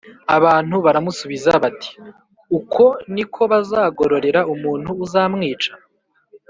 Abantu baramusubiza bati “Uko ni ko bazagororera umuntu uzamwica.”